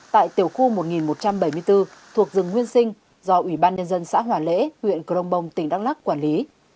tại tiểu khu một nghìn một trăm bảy mươi bốn thuộc rừng nguyên sinh do ủy ban nhân dân xã hòa lễ huyện crong bông tỉnh đắk lắc quản lý